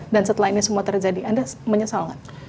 dan setelah ini semua terjadi anda menyesal nggak